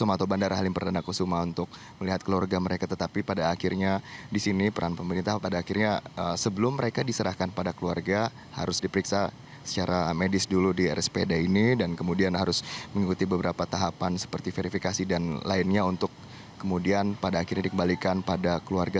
atau bandara halim perdana kusuma untuk melihat keluarga mereka tetapi pada akhirnya disini peran pemerintah pada akhirnya sebelum mereka diserahkan pada keluarga harus diperiksa secara medis dulu di rspd ini dan kemudian harus mengikuti beberapa tahapan seperti verifikasi dan lainnya untuk kemudian pada akhirnya dikembalikan pada keluarga